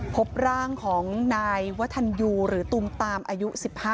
พบร่างของนายวัฒนยูหรือตุมตามอายุ๑๕